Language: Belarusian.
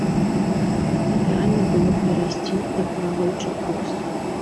Ідэальна было б перайсці на плаваючы курс.